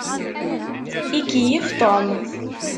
Ikeyyef Tom.